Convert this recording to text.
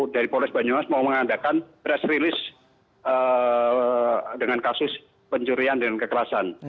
dari polres banyumas mau mengadakan press release dengan kasus pencurian dan kekerasan